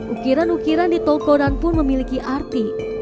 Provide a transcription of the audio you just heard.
ukiran ukiran di tongkonan pun memiliki arti